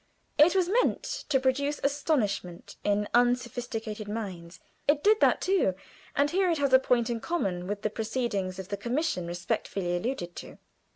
It was meant to produce astonishment in unsophisticated minds it did that too, and here it has a point in common with the proceedings of the commission respectfully alluded to.